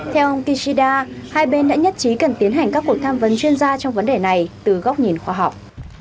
theo ông kishida hai bên đã nhất trí cần tiến hành các cuộc tham vấn chuyên gia trong vấn đề này từ góc nhìn khoa học